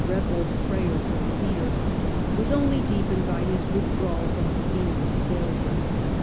rebels' prayer for a leader, was only deepened by his withdrawal from the scene of his failure.